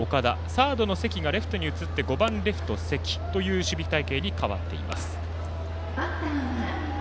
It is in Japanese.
サードの席がレフトに移って５番レフト、関という守備隊形に変わっています。